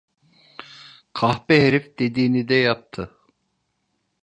Kahpe herif dediğini de yaptı.